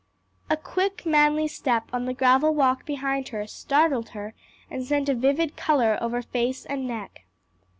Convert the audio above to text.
A quick, manly step on the gravel walk behind her startled her and sent a vivid color over face and neck.